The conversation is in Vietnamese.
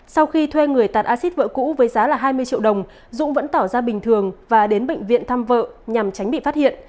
sau khi thuê người tạt acid vợ cũ với giá hai mươi triệu đồng dũng vẫn tỏ ra bình thường và đến bệnh viện thăm vợ nhằm tránh bị phát hiện